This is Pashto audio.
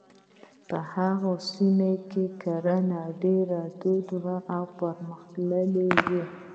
په هغو سیمو کې کرنه ډېره دود وه او پرمختللې وه.